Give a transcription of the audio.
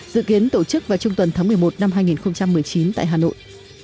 dự kiến tổ chức vào trung tuần tháng một mươi một năm hai nghìn một mươi chín tại hà nội